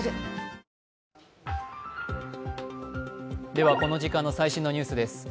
ではこの時間の最新のニュースです。